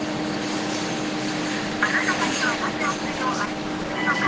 あなたたちはなぜ汚水を排出するのか。